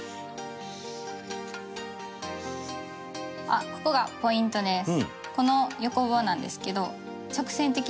あっのがポイントです。